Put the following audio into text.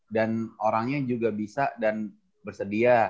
dan orangnya juga bisa dan bersedia